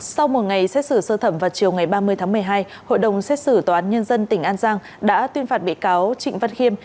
sau một ngày xét xử sơ thẩm vào chiều ngày ba mươi tháng một mươi hai hội đồng xét xử tòa án nhân dân tỉnh an giang đã tuyên phạt bị cáo trịnh văn khiêm